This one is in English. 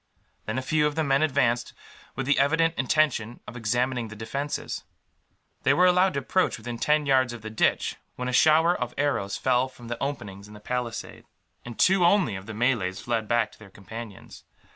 Then a few of the men advanced, with the evident intention of examining the defences. They were allowed to approach within ten yards of the ditch, when a shower of arrows flew from the openings in the palisade; and two, only, of the Malays fled back to their companions.